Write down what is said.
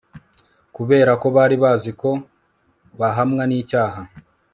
Kubera ko bari bazi ko bahamwa nicyaha